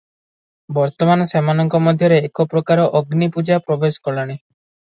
ବର୍ତ୍ତମାନ ସେମାନଙ୍କ ମଧ୍ୟରେ ଏକପ୍ରକାର ଅଗ୍ନିପୂଜା ପ୍ରବେଶ କଲାଣି ।